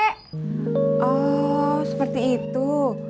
oh seperti itu